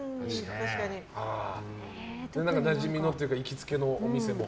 なじみのというか行きつけのお店も？